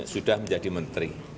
sudah menjadi menteri